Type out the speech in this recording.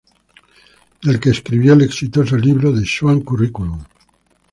Del que escribió el exitoso libro "The Swan Curriculum".